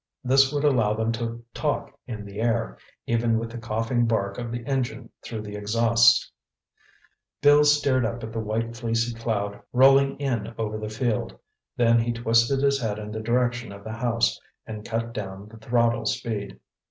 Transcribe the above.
This would allow them to talk in the air, even with the coughing bark of the engine through the exhausts. Bill stared up at the white fleecy cloud rolling in over the field. Then he twisted his head in the direction of the house, and cut down the throttle speed.